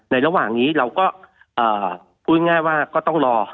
ในระหว่างนี้เราก็ต้องรอ